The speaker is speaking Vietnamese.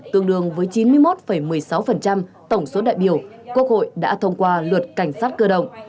tương đương với chín mươi một một mươi sáu tổng số đại biểu quốc hội đã thông qua luật cảnh sát cơ động